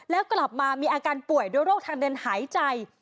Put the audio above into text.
แล้วกลับมามีอาการป่วยด้วยโรคทางเดินหายใจ